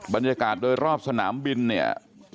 บรรยากาศโดยรอบสนามบินเนี่ย